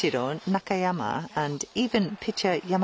中山。